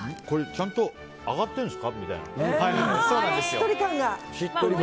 ちゃんと揚がっているんです。